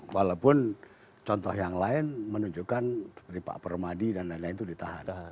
walaupun contoh yang lain menunjukkan seperti pak permadi dan lain lain itu ditahan